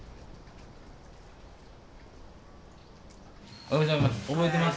おはようございます。